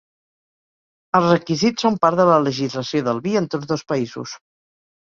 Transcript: Els requisits són part de la legislació del vi en tots dos països.